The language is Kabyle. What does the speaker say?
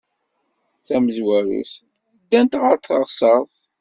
Tamezwarut, ddant ɣer teɣsert.